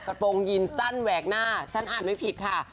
กระโปรงยีนสั้นแหวกหน้าฉันอ่านไม่ผิดค่ะ